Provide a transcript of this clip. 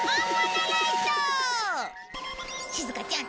しずかちゃん